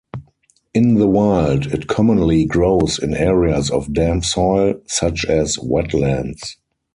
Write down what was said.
In the wild, it commonly grows in areas of damp soil, such as wetlands.